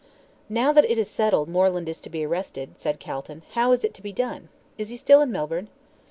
"Now that it is settled Moreland is to be arrested," said Calton, "how is it to be done? Is he still in Melbourne?"